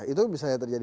itu bisa saja terjadi